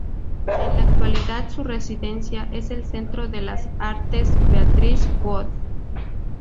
En la actualidad, su residencia es el Centro de las Artes Beatrice Wood.